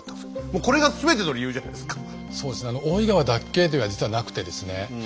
もうこれが全ての理由じゃないですか。